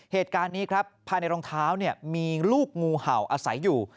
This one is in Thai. เหตุการณ์นี้ครับภายในรองเท้ามีลูกงูเห่าอาศัยอยู่